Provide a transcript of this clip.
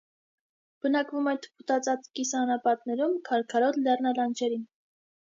Բնակվում է թփուտածածկ կիսաանապատներում, քարքարոտ լեռնալանջերին։